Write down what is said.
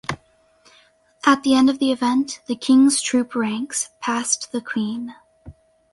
At the end of the event, the King's Troop ranks past the Queen.